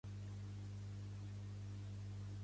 Ella estava d'acord amb el que havia dit Sánchez?